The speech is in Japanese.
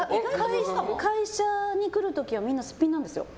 会社に来る時はみんなすっぴんなんですよ。